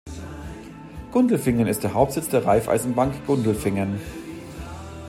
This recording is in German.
Gundelfingen ist Hauptsitz der Raiffeisenbank Gundelfingen.